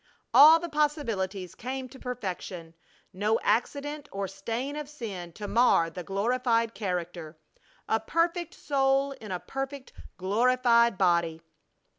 All the possibilities come to perfection! no accident or stain of sin to mar the glorified character! a perfect soul in a perfect, glorified body!